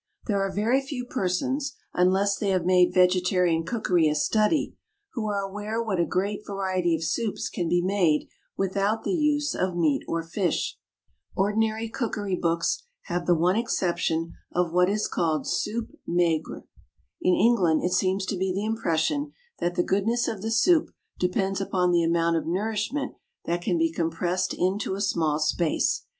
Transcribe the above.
There are very few persons, unless they have made vegetarian cookery a study, who are aware what a great variety of soups can be made without the use of meat or fish. As a rule, ordinary cookery books have the one exception of what is called soup maigre. In England it seems to be the impression that the goodness of the soup depends upon the amount of nourishment that can be compressed into a small space.